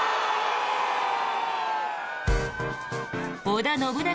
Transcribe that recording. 織田信長